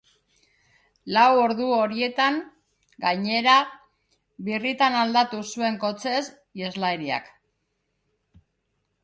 Lau ordu horietan, gainera, birritan aldatu zuen kotxez iheslariak.